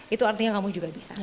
itu artinya kamu juga bisa